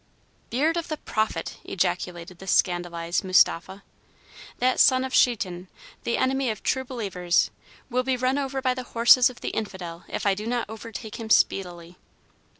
"Beard of the Prophet!" ejaculated the scandalized Mustapha. "That son of Sheitan, the enemy of true believers, will be run over by the horses of the infidel if I do not overtake him speedily."